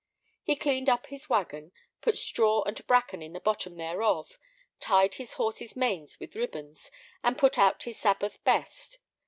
He cleaned up his wagon, put straw and bracken in the bottom thereof, tied his horses' manes with ribbons, and put out his Sabbath best.